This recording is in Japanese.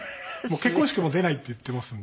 「結婚式も出ない」って言ってますので。